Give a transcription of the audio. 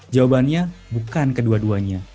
jawabannya bukan kedua duanya